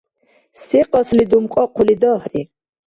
Се кьасли думкьахъули дагьри?